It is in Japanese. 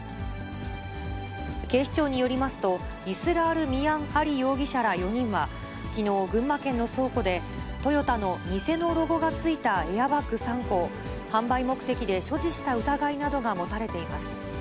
警視庁によりますと、イスラール・ミアン・アリ容疑者ら４人は、きのう、群馬県の倉庫で、トヨタの偽のロゴがついたエアバッグ３個を、販売目的で所持した疑いなどが持たれています。